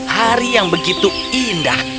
hari yang begitu indah